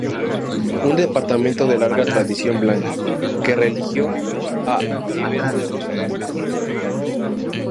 Un departamento de larga tradición blanca, que reeligió a Eber da Rosa Vázquez.